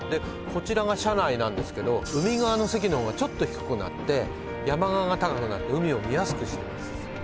こちらが車内なんですけど海側の席のほうがちょっと低くなって山側が高くなって海を見やすくしてます